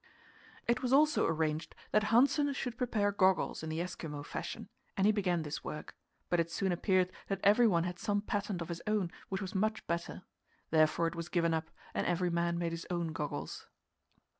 It was also arranged that Hanssen should prepare goggles in the Eskimo fashion, and he began this work; but it soon appeared that everyone had some patent of his own which was much better. Therefore it was given up, and every man made his own goggles.